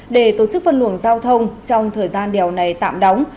để tổ chức phân luồng giao thông trong thời gian đèo này tạm đóng